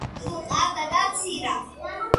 ჰყავდა და, ცირა.